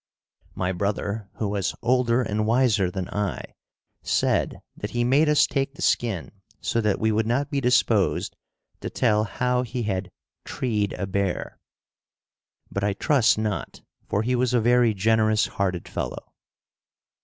My brother, who was older and wiser than I, said that he made us take the skin so that we would not be disposed to tell how he had "treed a bear." But I trust not, for he was a very generous hearted fellow.